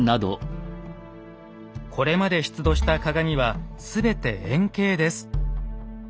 これまで出土した鏡は全て円形です。